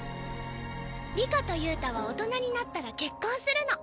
里香と憂太は大人になったら結婚するの。